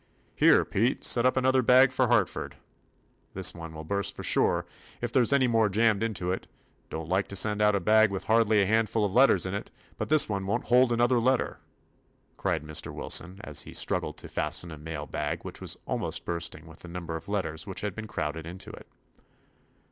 "Here, Pete, set up another bag for Hartford! This one will burst for 27 THE ADVENTURES OF sure, if there 's any more jammed into it. Don't like to send out a bag with hardly a handful of letters in it, but this one won't hold another letter," cried Mr. Wilson, as he struggled to fasten a mail bag which was almost bursting with the number of letters which had been crowded into it.